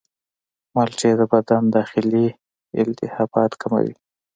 مالټې د بدن داخلي التهابات کموي.